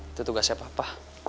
itu tugasnya papa